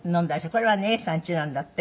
これはね永さんちなんだって。